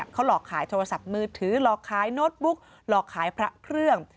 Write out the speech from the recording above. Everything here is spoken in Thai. เขาหลอกขายโทรศัพท์มือถือหลอกขายโน้ตบุ๊กหลอกขายพระเครื่อง